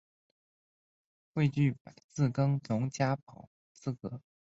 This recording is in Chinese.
未具自耕农加保资格